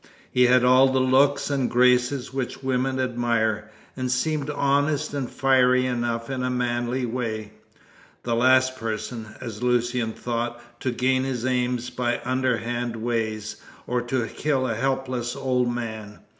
He had all the looks and graces which women admire, and seemed honest and fiery enough in a manly way the last person, as Lucian thought, to gain his aims by underhand ways, or to kill a helpless old man.